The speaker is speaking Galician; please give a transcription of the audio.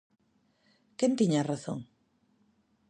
Quen tiña razón?